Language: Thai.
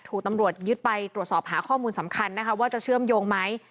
ถูกตำรวจยึดไปตรวจสอบหาข้อมูลสำคัญนะคะว่าจะเชื่อมโยงไหม